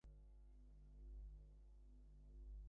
খাওয়াদাওয়ার পর সিগারেট হাতে সেখানে বসলাম।